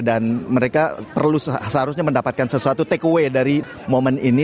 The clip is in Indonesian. dan mereka seharusnya mendapatkan sesuatu takeaway dari momen ini